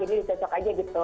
jadi disocok aja gitu